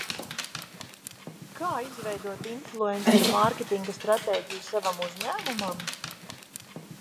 Kā izveidot influenceru mārketinga stratēģiju savam uzņēmumam?